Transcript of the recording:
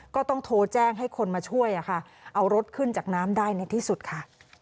ก็ต้องโทรแจ้งให้คนมาช่วยเอารถขึ้นจากน้ำได้ในที่สุดค่ะ